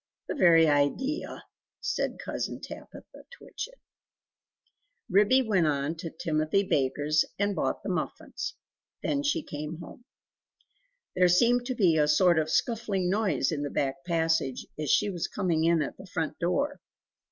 The very idea!" said Cousin Tabitha Twitchit. Ribby went on to Timothy Baker's and bought the muffins. Then she went home. There seemed to be a sort of scuffling noise in the back passage, as she was coming in at the front door.